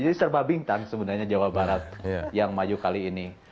jadi serba bintang sebenarnya jawa barat yang maju kali ini